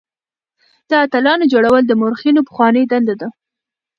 د اتلانو جوړول د مورخينو پخوانۍ دنده ده.